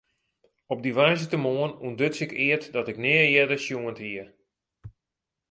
Op dy woansdeitemoarn ûntduts ik eat dat ik nea earder sjoen hie.